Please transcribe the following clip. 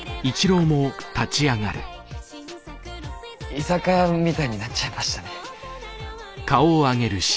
居酒屋みたいになっちゃいましたね。